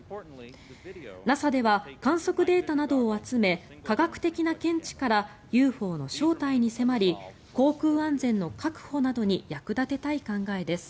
ＮＡＳＡでは観測データなどを集め科学的な見地からＵＦＯの正体に迫り航空安全の確保などに役立てたい考えです。